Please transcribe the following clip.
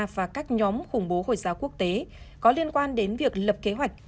và các nhóm khủng bố hồi giáo quốc tế có liên quan đến việc lập kế hoạch